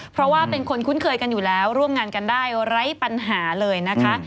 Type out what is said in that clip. เพราะว่าเป็นคนคุ้นเคยกันอยู่แล้วร่วมงานกันได้ไร้ปัญหาเลยนะคะ